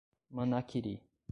Manaquiri